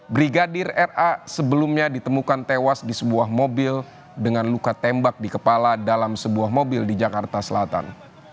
brigadir ra sebelumnya ditemukan tewas di sebuah mobil dengan luka tembak di kepala dalam sebuah mobil di jakarta selatan